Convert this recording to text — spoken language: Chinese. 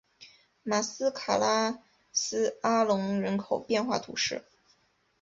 马斯卡拉斯阿龙人口变化图示